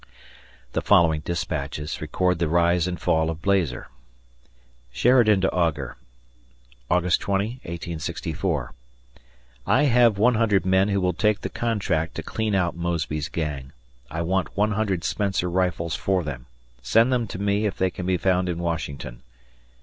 The following dispatches record the rise and fall of Blazer. [Sheridan to Augur] August 20, 1864. I have 100 men who will take the contract to clean out Mosby's gang. I want 100 Spencer rifles for them. Send them to me if they can be found in Washington.